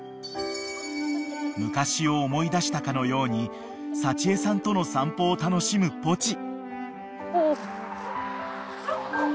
［昔を思い出したかのように幸枝さんとの散歩を楽しむポチ］